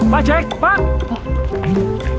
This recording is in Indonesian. pak jack pak